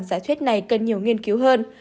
giải thuyết này cần nhiều nghiên cứu hơn